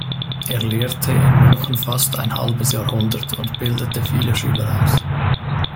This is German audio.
Er lehrte in München fast ein halbes Jahrhundert und bildete viele Schüler aus.